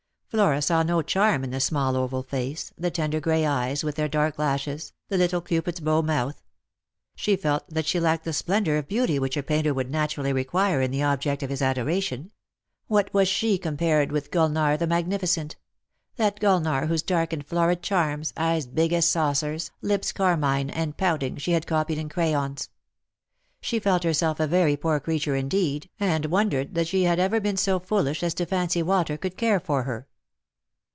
Flora saw no charm in the small oval face, the tender gray eyes with their dark lashes, the little cupid's bow mouth ; she felt that she lacked the splendour of beauty which a painter would naturally require in the object of his adoration. What was she compared with Gulnare the magni ficent? that Gulnare whose dark and florid charms, eyes big as saucers, lips carmine and pouting, she had copied in crayons. She felt herself a very poor creature indeed, and wondered that she had ever been so foolish as to fancy Walter could care for her.